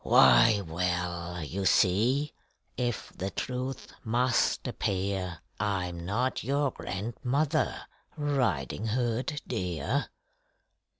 Why, well: you see if the truth must appear I'm not your grandmother, Riding Hood, dear!